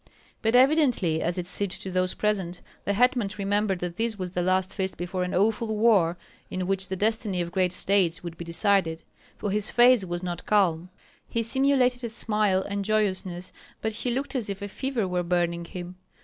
But evidently, as it seemed to those present, the hetman remembered that this was the last feast before an awful war in which the destiny of great states would be decided, for his face was not calm. He simulated a smile and joyousness, but he looked as if a fever were burning him.